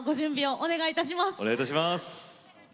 お願いいたします。